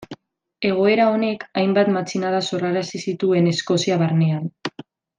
Egoera honek hainbat matxinada sorrarazi zituen Eskozia barnean.